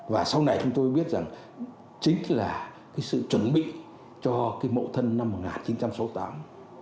và sau này chúng tôi biết rằng chính là sự chuẩn bị cho công an nhân dân năm một nghìn chín trăm sáu mươi tám